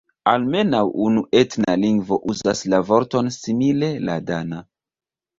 Almenaŭ unu etna lingvo uzas la vorton simile: la dana.